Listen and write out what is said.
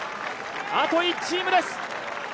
あと１チームです！